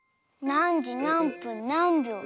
なんじなんぷんなんびょう？